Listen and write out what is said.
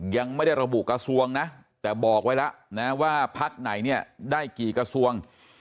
ยังไม่ได้ระบุกระทรวงนะแต่บอกไว้แล้วนะว่าพักไหนเนี่ยได้กี่กระทรวง